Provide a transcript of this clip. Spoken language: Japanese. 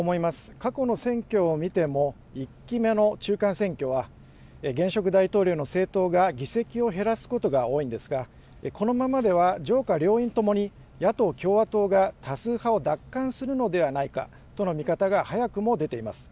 過去の選挙を見ても、１期目の中間選挙は、現職大統領の政党が議席を減らすことが多いんですが、このままでは上下両院ともに、野党・共和党が多数派を奪還するのではないかとの見方が早くも出ています。